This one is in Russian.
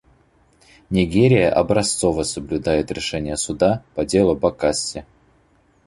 Нигерия образцово соблюдает решение Суда по делу Бакасси.